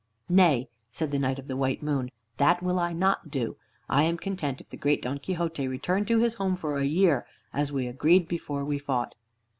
"Nay," said the Knight of the White Moon. "That will I not do. I am content if the great Don Quixote return to his home for a year, as we agreed before we fought."